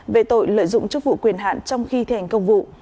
về tội lợi dụng chức vụ quyền hạn trong khi thi hành công vụ